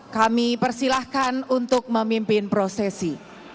kami persilahkan untuk memimpin prosesi